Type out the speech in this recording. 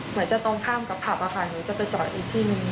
เหมือนจะตรงข้ามกับผับอะค่ะหนูจะไปจอดอีกที่นึง